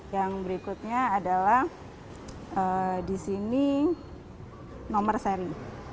yang berikutnya adalah nomor seri